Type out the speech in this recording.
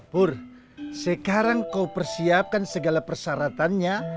pur sekarang kau persiapkan segala persyaratannya